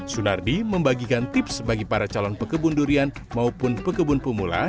sunardi membagikan tips bagi para calon pekebun durian maupun pekebun pemula